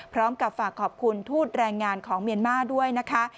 พร้อมกับฝากขอบคุณทูตแรงงานของเมียนมาร์ด้วยนะคะ